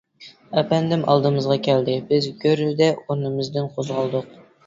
ئەپەندىم ئالدىمىزغا كەلدى. بىز گۈررىدە ئورنىمىزدىن قوزغالدۇق.